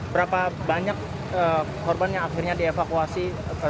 berapa banyak korban yang akhirnya dievakuasi